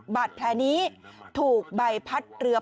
บัตรแพลนนี้ถูกใบพัดเรือ